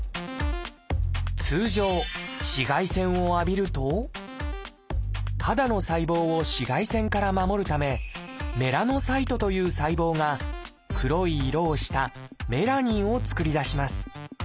通常紫外線を浴びると肌の細胞を紫外線から守るため「メラノサイト」という細胞が黒い色をした「メラニン」を作り出します。